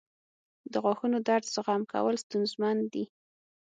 • د غاښونو درد زغم کول ستونزمن دي.